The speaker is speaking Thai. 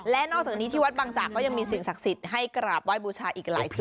และนอกจากนี้ที่วัดบางจากก็ยังมีสิ่งศักดิ์สิทธิ์ให้กราบไห้บูชาอีกหลายจุด